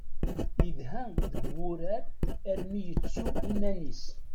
Idha deg wurar armi yettu iman-is.